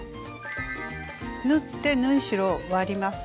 縫って縫い代を割ります。